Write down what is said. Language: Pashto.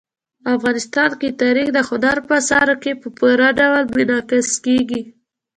افغانستان کې تاریخ د هنر په اثارو کې په پوره ډول منعکس کېږي.